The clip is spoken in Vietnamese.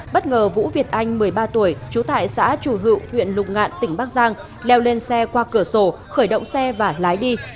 bất ngờ vũ việt anh một mươi ba tuổi trú tại xã trù hữu huyện lục ngạn tỉnh bắc giang leo lên xe qua cửa sổ khởi động xe và lái đi